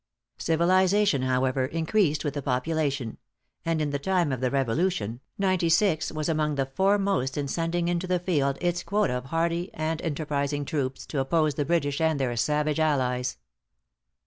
Civilization, however, increased with the population; and in the time of the Revolution, Ninety Six was among the foremost in sending into the field its quota of hardy and enterprising troops, to oppose the British and their savage allies.